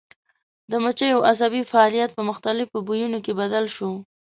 د مچیو عصبي فعالیت په مختلفو بویونو کې بدل شو.